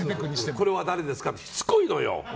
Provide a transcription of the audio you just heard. これは誰ですかってしつこいのよ。